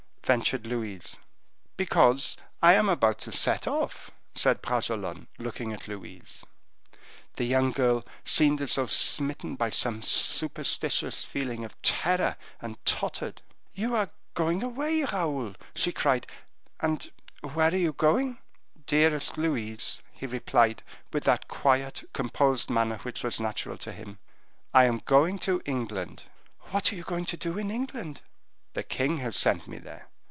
ventured Louise. "Because I am about to set off," said Bragelonne, looking at Louise. The young girl seemed as though smitten by some superstitious feeling of terror, and tottered. "You are going away, Raoul!" she cried; "and where are you going?" "Dearest Louise," he replied, with that quiet, composed manner which was natural to him, "I am going to England." "What are you going to do in England?" "The king has sent me there."